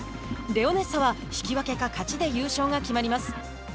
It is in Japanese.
レオネッサは引き分けか勝ちで優勝が決まります。